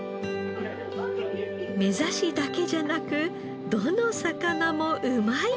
めざしだけじゃなくどの魚もうまい！